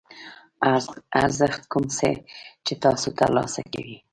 ارزښت کوم څه چې تاسو ترلاسه کوئ.